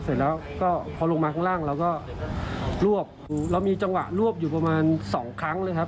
เสร็จแล้วก็พอลงมาข้างล่างเราก็รวบเรามีจังหวะรวบอยู่ประมาณสองครั้งเลยครับ